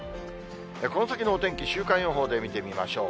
この先のお天気、週間予報で見てみましょう。